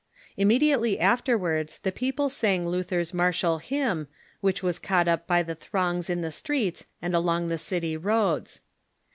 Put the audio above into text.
Immediately afterwards the people sang Lu ther's martial hymn, which was caught up by the thi'ongs in the streets and along the country roads.